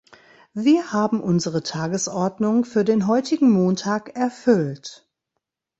Wir haben unsere Tagesordnung für den heutigen Montag erfüllt.